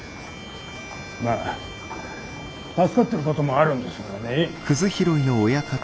まあ助かってることもあるんですがね。